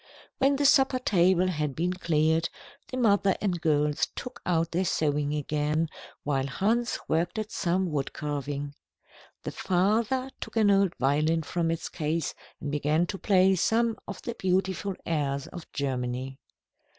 When the supper table had been cleared, the mother and girls took out their sewing again, while Hans worked at some wood carving. The father took an old violin from its case and began to play some of the beautiful airs of Germany.